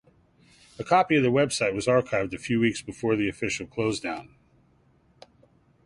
A copy of the website was archived a few weeks before the official closedown.